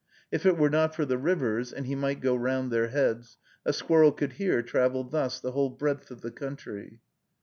If it were not for the rivers (and he might go round their heads), a squirrel could here travel thus the whole breadth of the country.